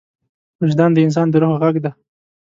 وجدان د انسان د روح غږ دی.